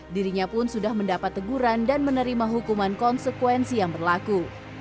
dirinya pun sudah mendapat teguran dan menerima hukuman konsekuensi yang berlaku